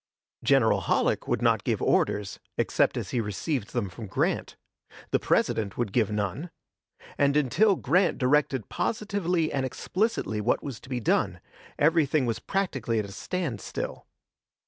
General Halleck would not give orders, except as he received them from Grant; the President would give none; and, until Grant directed positively and explicitly what was to be done, everything was practically at a standstill.